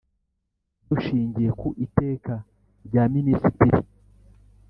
Dushingiye ku iteka rya minisitiri